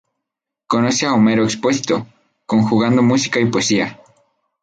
Conoce a Homero Expósito, conjugando música y poesía.